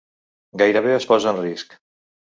Gairebé es posa en risc.